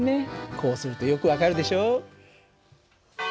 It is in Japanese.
こうするとよく分かるでしょ。